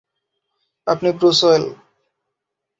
আপনি Bruce when.